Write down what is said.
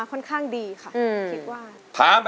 สวัสดีครับ